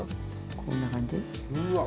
こんな感じ。